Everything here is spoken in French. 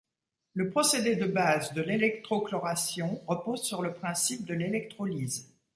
Le procédé de base de l'électrochloration repose le principe de l'électrolyse.